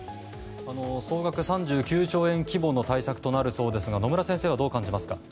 総額３９兆円規模の対策となるそうですが野村先生はどうお感じになりますか？